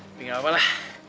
tapi nggak apa apa lah